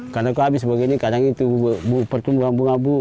kalau habis begini kadang itu pertumbuhan bunga bu